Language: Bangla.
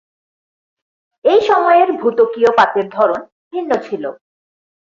এই সময়ের ভূত্বকীয় পাতের ধরন ভিন্ন ছিল।